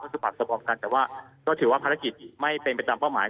ก็จะผมกันแต่ว่าเถอะถือว่าภารกิจไม่เป็นประจำเป้าหมาย